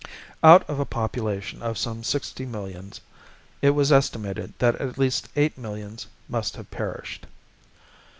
Out of a population, of some sixty millions, it was estimated that at least eight millions must have perished.